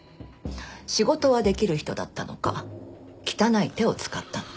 仕事はできる人だったのか汚い手を使ったのか。